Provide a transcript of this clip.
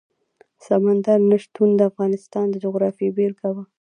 سمندر نه شتون د افغانستان د جغرافیې بېلګه ده.